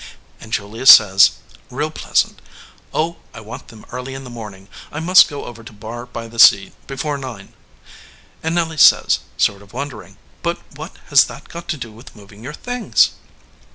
And Julius says, real pleasant: Oh, I want them early in the morning. I must go over to Barr by the Sea before nine/ And Nelly says, sort of wondering, But what has that got to do with moving your things?